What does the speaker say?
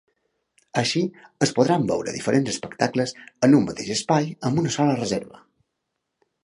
Així, es podran veure diferents espectacles en un mateix espai amb una sola reserva.